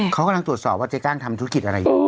เขากำลังตรวจสอบว่าเจ๊กั้งทำธุรกิจอะไรอยู่